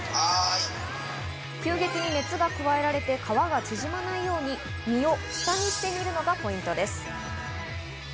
急激に熱が加えられて、皮が縮まないように身を下にして入れるのがポイントです。